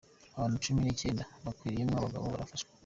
Abantu cumi n'icenda, bagwiriyemwo abagabo, barafashwe.